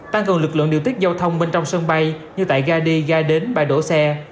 tăng cường lực lượng điều tiết giao thông bên trong sân bay như tại gai đi gai đến bài đổ xe